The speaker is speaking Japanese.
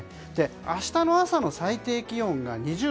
明日の朝の最低気温が２０度。